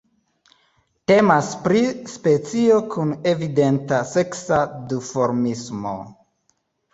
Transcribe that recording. Temas pri specio kun evidenta seksa duformismo.